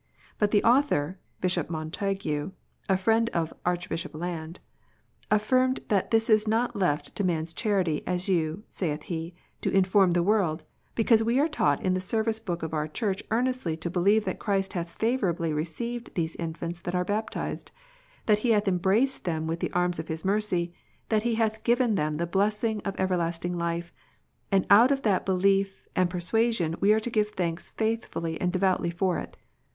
But the author (Bishop Montague, a friend of Archbishop Laud) affirmeth that this is not left to men s charity, as you, saith he, do inform the world, because we are taught in the service book of our Church earnestly to believe that Christ hath favourably received these infants that are baptized, that He hath embraced them with the arms of His mercy, that He hath given them the blessing of everlasting life ; and out of that belief and per suasion we are to give thanks faithfully and devoutly for it.